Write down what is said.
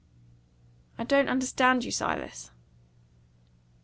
"I don't understand you, Silas."